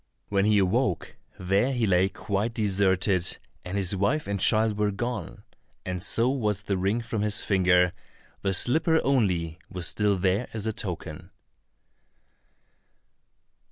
When he awoke, there he lay quite deserted, and his wife and child were gone, and so was the ring from his finger, the slipper only was still there as a token.